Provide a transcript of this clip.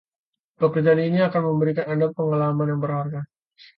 Pekerjaan ini akan memberikan Anda pengalaman yang berharga.